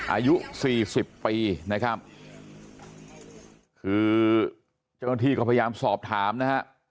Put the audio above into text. อายุ๔๐ปีนะครับคือเจ้าหน้าที่ก็พยายามสอบถามนะครับ